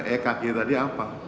ekg tadi apa